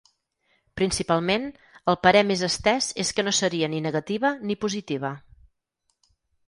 Principalment, el parer més estès és que no seria ni negativa ni positiva.